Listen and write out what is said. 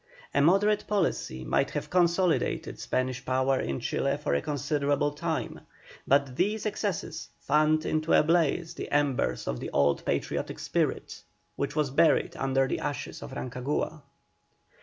A moderate policy might have consolidated Spanish power in Chile for a considerable time, but these excesses fanned into a blaze the embers of the old patriotic spirit, which was buried under the ashes of Rancagua.